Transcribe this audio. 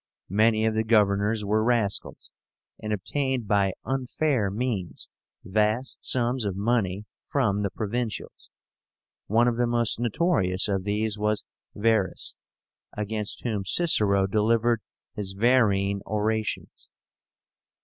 Many of the governors were rascals, and obtained by unfair means vast sums of money from the provincials. One of the most notorious of these was Verres, against whom Cicero delivered his Verrine orations.